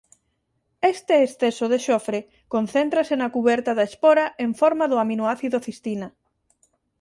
Este exceso de xofre concéntrase na cuberta da espora en forma do aminoácido cistina.